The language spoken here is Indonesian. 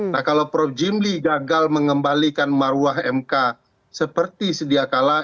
nah kalau prof jimli gagal mengembalikan maruah mk seperti sedia kala